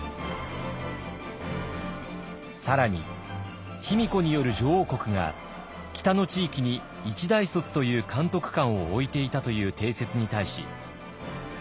更に卑弥呼による女王国が北の地域に一大卒という監督官を置いていたという定説に対し。